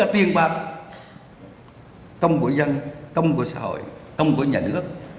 và công của dân công của xã hội công của nhà nước